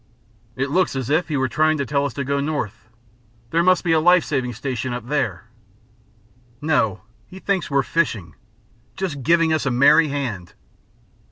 "It looks as if he were trying to tell us to go north. There must be a life saving station up there." "No! He thinks we're fishing. Just giving us a merry hand.